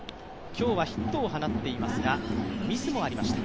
今日はヒットを放っていますがミスもありました。